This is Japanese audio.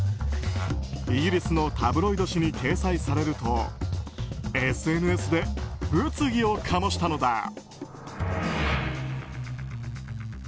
イギリスのタブロイド紙に掲載されるとＳＮＳで物議を醸したのだ。